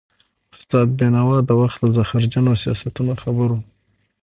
استاد بينوا د وخت له زهرجنو سیاستونو خبر و.